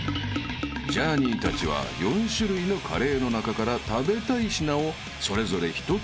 ［ジャーニーたちは４種類のカレーの中から食べたい品をそれぞれ１つずつ指名］